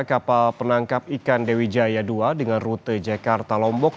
kapal penangkap ikan dewi jaya dua dengan rute jakarta lombok